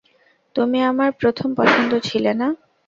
তুমি আমার প্রথম পছন্দ ছিলে না।